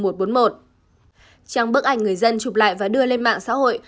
trang bức ảnh người dân chụp lại và đưa lên mạng xã hội